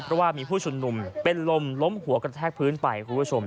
เพราะว่ามีผู้ชุมนุมเป็นลมล้มหัวกระแทกพื้นไปคุณผู้ชม